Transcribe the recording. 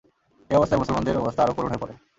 এ অবস্থায় মুসলমানদের অবস্থা আরো করুণ হয়ে পড়ে।